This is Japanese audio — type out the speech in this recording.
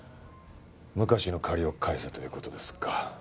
昔の借りを返せという事ですか？